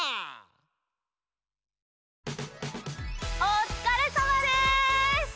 おつかれさまです！